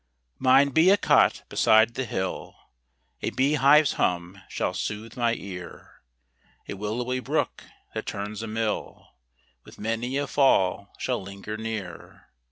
Mine be a cot beside the hill, A bee hive's hum shall sooth my ear; A willowy brook, that turns a mill, With many a fall shall linger near.